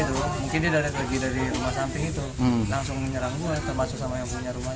mungkin dia dari rumah samping itu langsung menyerang gue